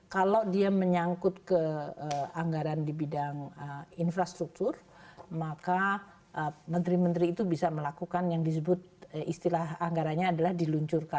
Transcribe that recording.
kalau dia menyangkut ke anggaran di bidang infrastruktur maka menteri menteri itu bisa melakukan yang disebut istilah anggaranya adalah diluncurkan